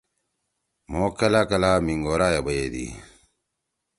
مھو کلاکلا مینگورہ ئے بیَدی۔